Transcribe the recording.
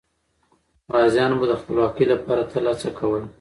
غازیان به د خپلواکۍ لپاره تل هڅه کوله.